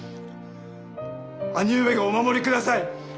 兄上がお守りください。